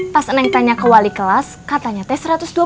pas neng tanya ke wali kelas katanya teh satu ratus dua puluh lima